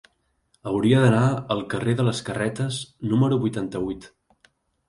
Hauria d'anar al carrer de les Carretes número vuitanta-vuit.